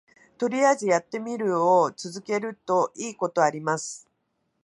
とりあえずやってみるを続けるといいことあります